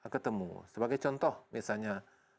ketemu sebagai contoh misalnya